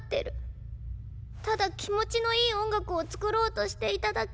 ただ気持ちのいい音楽を作ろうとしていただけ。